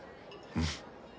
うん！